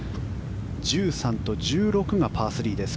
１３と１６がパー３です。